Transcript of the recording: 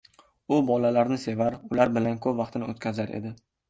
U bolalarni sevar, ular bilan koʻp vaqtini oʻtkazar edi.